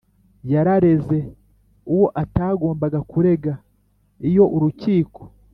Yarareze uwo atagombaga kurega iyo urukiko